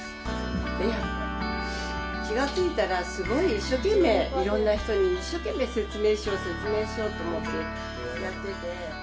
いや気が付いたらすごい一生懸命いろんな人に一生懸命説明しよう説明しようと思ってやってて。